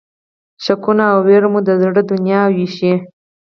شکونه او وېره مو د زړه دنیا وېشي.